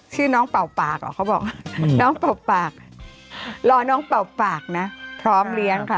ชื่อน้องเป่าปากเหรอเขาบอกว่าน้องเป่าปากรอน้องเป่าปากนะพร้อมเลี้ยงค่ะ